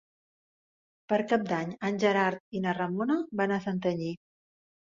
Per Cap d'Any en Gerard i na Ramona van a Santanyí.